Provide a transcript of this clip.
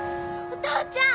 お父ちゃん！